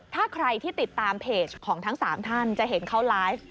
ถ้าใครที่ติดตามเพจของทั้ง๓ท่านจะเห็นเขาไลฟ์